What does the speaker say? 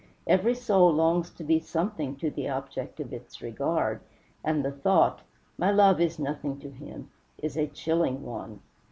Every soul longs to be something to the object of its regard, and the thought, "My love is nothing to him," is a chilling one.